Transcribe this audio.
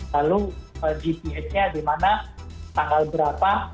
lalu gps nya di mana tanggal berapa